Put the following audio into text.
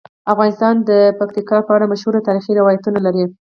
افغانستان د پکتیکا په اړه مشهور تاریخی روایتونه لري.